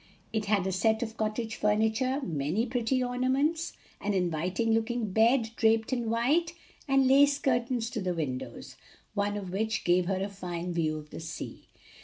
It had a set of cottage furniture, many pretty ornaments, an inviting looking bed draped in white, and lace curtains to the windows; one of which gave her a fine view of the sea.